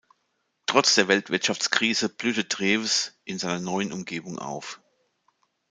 Trotz der Weltwirtschaftskrise blühte Drewes in seiner neuen Umgebung auf.